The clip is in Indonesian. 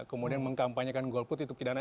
kemudian mengkampanyekan golput itu pidana